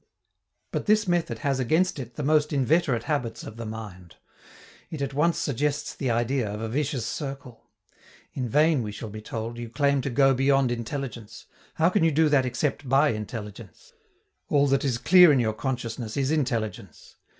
But this method has against it the most inveterate habits of the mind. It at once suggests the idea of a vicious circle. In vain, we shall be told, you claim to go beyond intelligence: how can you do that except by intelligence? All that is clear in your consciousness is intelligence.